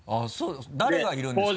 誰がいるんですか？